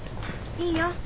いいよ。